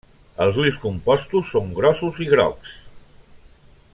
Els ulls compostos són grossos i grocs.